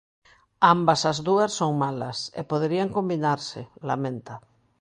Ambas as dúas son malas e poderían combinarse, lamenta.